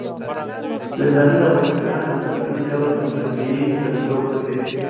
زردالو د افغانستان د ځانګړي ډول جغرافیې استازیتوب کوي.